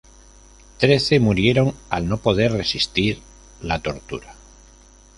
Trece murieron al no poder resistir la tortura.